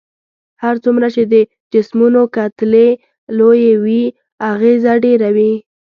هر څومره چې د جسمونو کتلې لويې وي اغیزه ډیره وي.